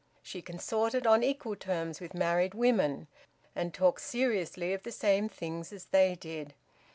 She consorted on equal terms with married women, and talked seriously of the same things as they did.